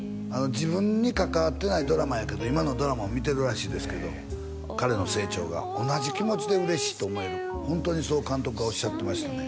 自分に関わってないドラマやけど今のドラマも見てるらしいですけど彼の成長が同じ気持ちで嬉しいと思えるホントにそう監督がおっしゃってましたね